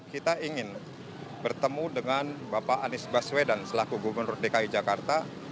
kita ingin bertemu dengan bapak anies baswedan selaku gubernur dki jakarta